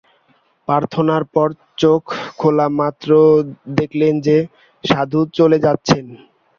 প্রার্থনার পর চোখ খোলা-মাত্র দেখলেন যে, সাধু চলে যাচ্ছেন।